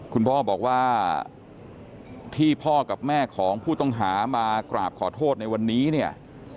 คุณพ่อบอกว่าที่พ่อกับแม่ของผู้ต้องหามากราบขอโทษในวันนี้เนี่ย